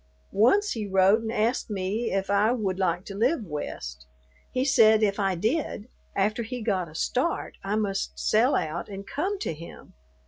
Once he wrote and asked me if I would like to live West. He said if I did, after he got a start I must sell out and come to him.